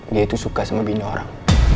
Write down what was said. dia itu suka sama bino orang